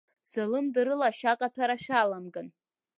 Залымдарыла ашьакаҭәара шәаламган!